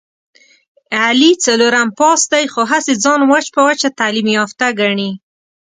علي څلورم پاس دی، خو هسې ځان وچ په وچه تعلیم یافته ګڼي...